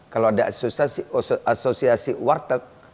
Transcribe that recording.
kalau ada asosiasi warteg